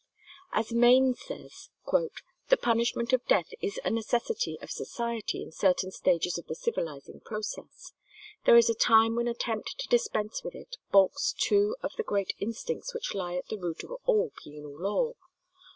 As Maine says, "The punishment of death is a necessity of society in certain stages of the civilizing process. There is a time when an attempt to dispense with it balks two of the great instincts which lie at the root of all penal law.